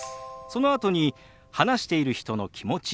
そのあとに話している人の気持ち